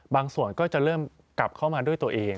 ส่วนก็จะเริ่มกลับเข้ามาด้วยตัวเอง